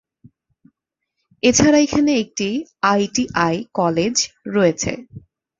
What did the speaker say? এছাড়া এখানে একটি আই টি আই কলেজ রয়েছে।